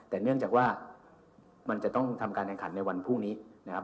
แต่เนื่องจากว่ามันจะต้องทำการแข่งขันในวันพรุ่งนี้นะครับ